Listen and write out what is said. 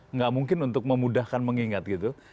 nggak mungkin untuk memudahkan mengingat gitu